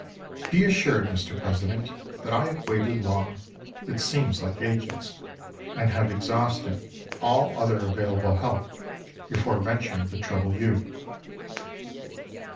Be assured, Mr. President, that I have waited long—it seems like ages—and have exhausted all other available help before venturing to trouble you.